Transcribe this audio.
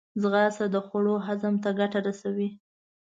ځغاسته د خوړو هضم ته ګټه رسوي